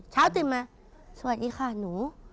เช้าตื่นมาสวัสดีค่ะหนู